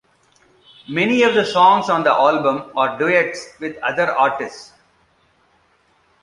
Many of the songs on the album are duets with other artists.